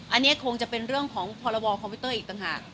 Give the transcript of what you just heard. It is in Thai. อันนี้คงจะเป็นเรื่องของพรบคอมพิวเตอร์อีกต่างหาก